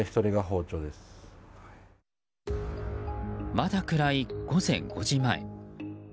まだ暗い午前５時前。